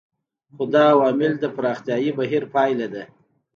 خو دا عوامل د پراختیايي بهیر پایله ده.